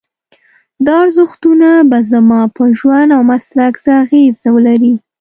دا ارزښتونه به زما په ژوند او مسلک څه اغېز ولري؟